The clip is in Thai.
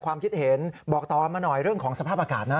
ความคิดเห็นบอกต่อมาหน่อยเรื่องของสภาพอากาศนะ